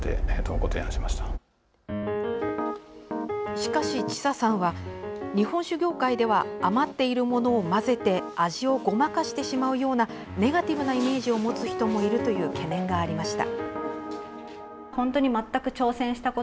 しかし、知佐さんは日本酒業界では余っているものを混ぜて味をごまかしてしまうようなネガティブなイメージを持つ人もいるという懸念がありました。